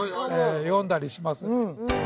呼んだりします